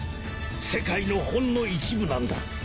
世界のほんの一部なんだ